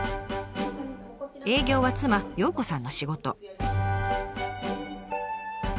営業は妻陽子さんの仕事。